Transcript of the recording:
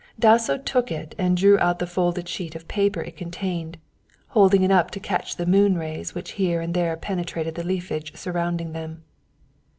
Dasso took it and drew out the folded sheet of paper it contained, holding it up to catch the moon rays which here and there penetrated the leafage surrounding them.